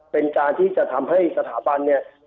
เป็นการที่จะทำให้สถาบัน